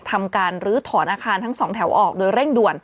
ทำการลื้อถอนอาคารทั้งสองแถวออกโดยเร่งด่วน